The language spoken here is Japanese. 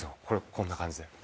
こんな感じで。